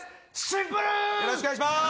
よろしくお願いします！